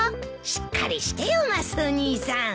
しっかりしてよマスオ兄さん。